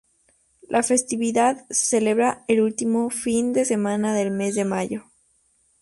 La festividad se celebra el último fin de semana del mes de mayo.